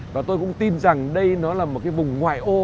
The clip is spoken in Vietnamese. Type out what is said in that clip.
và tôi cũng tin rằng đây là một vùng viên cương thân yêu của tổ quốc